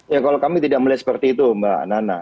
ya kalau kami tidak melihat seperti itu mbak nana